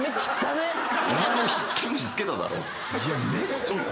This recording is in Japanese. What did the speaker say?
お前もひっつき虫つけただろ。